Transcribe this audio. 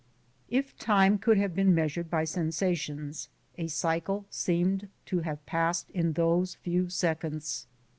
If time could have been measured by sensations, a cycle seemed to have passed in those few seconds.